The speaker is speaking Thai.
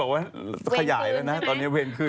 เขาเริ่มจะบอกว่าขยายแล้วนะตอนนี้เวรขึ้น